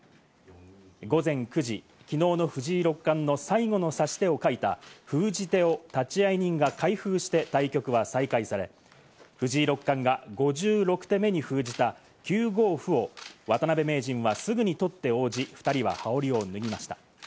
午前９時、きのうの藤井六冠の最後の指し手を書いた封じ手を立会人が開封して対局は再開され、藤井六冠が５６手目に封じた９五歩を渡辺名人はすぐに取って応じ、２人は羽織を脱ぎました。